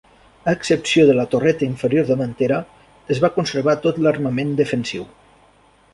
A excepció de la torreta inferior davantera, es va conservar tot l'armament defensiu.